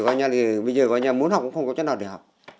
bây giờ muốn học cũng không có chỗ nào để học